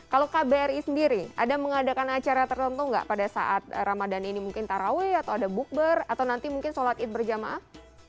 kalau kbri sendiri ada mengadakan acara tertentu nggak pada saat ramadhan ini mungkin taraweh atau ada bukber atau nanti mungkin sholat id berjamaah